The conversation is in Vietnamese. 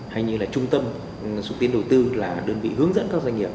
hay như là trung tâm xuất tiên đầu tư là đơn vị hướng dẫn các doanh nghiệp